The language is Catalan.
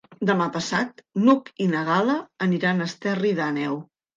Demà passat n'Hug i na Gal·la aniran a Esterri d'Àneu.